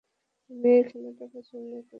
আমি এই খেলাটি পছন্দ করি।